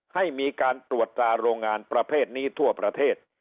ให้มีการตรวจตราโรงงานประเภทนี้ทั่วประเทศ